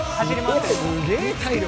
すげえ体力。